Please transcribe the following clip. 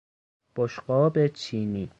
بشقاب چینی